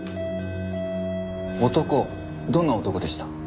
男どんな男でした？